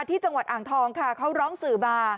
ที่จังหวัดอ่างทองค่ะเขาร้องสื่อมา